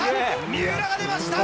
三浦が出ました。